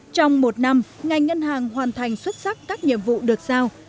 trong một năm ngành ngân hàng hoàn thành xuất sắc các nhiệm vụ được giao